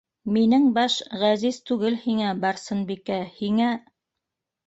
Минең баш... ғәзиз түгел һиңә, Барсынбикә... һиңә...